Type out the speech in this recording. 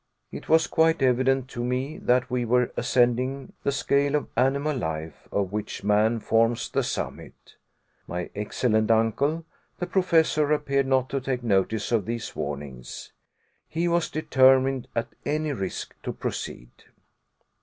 It was quite evident to me that we were ascending the scale of animal life of which man forms the summit. My excellent uncle, the Professor, appeared not to take notice of these warnings. He was determined at any risk to proceed.